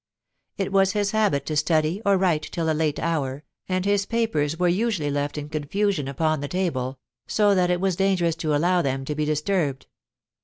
It was his habit to study or write till a late hour, and his papers were usually left in confusion upon the table, so that it was dangerous to allow them to be disturbed.